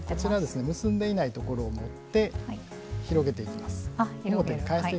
結んでいないところを持って広げていきます。